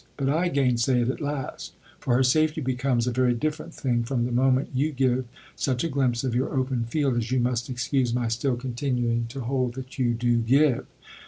But / gainsay it at last, for her safety becomes a very different thing from the moment you give such a glimpse of your open field as you must excuse my still continuing to hold that you do give.